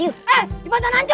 eh dimata nanto